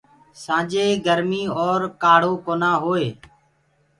سآنجي گرمي اور کآڙهو ڪونآ هوئي۔